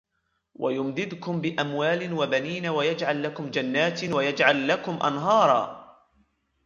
وَيُمْدِدْكُمْ بِأَمْوَالٍ وَبَنِينَ وَيَجْعَلْ لَكُمْ جَنَّاتٍ وَيَجْعَلْ لَكُمْ أَنْهَارًا